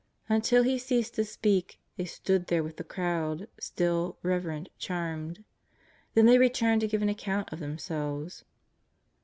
Until He ceased to speak they stood there with the crowd, Btill, reverent, charmed. Then they returned to give an account of themselves.